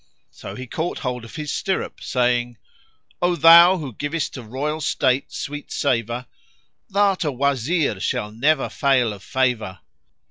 So he caught hold of his stirrup saying, "O thou, who givest to royal state sweet savour, * Thou'rt a Wazir shalt never fail of favour!